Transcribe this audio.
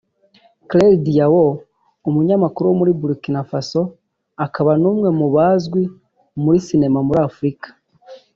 Claire Diao (umunyamakuru wo muri Burkina Faso akaba n’umwe mu bazwi muri Cinema muri Afurika